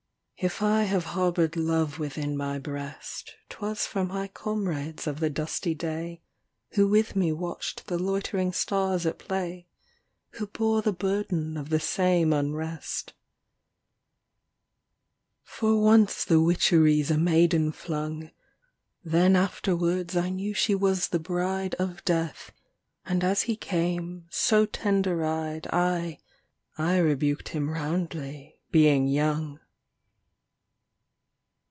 XVIII If I have harboured love within my breast, ŌĆÖTwas for my comrades of the dusty day, Who with me watched the loitering stars at play f Who bore the burden of the same unrest. 38 THE DIWAN OP ABIPL ALA XIX For once the witcheries a maiden flung Then* afterwards I knew she was the bride Of Death ; and as he came, so tender eyed, I ŌĆö I rebuked him roundly, being young.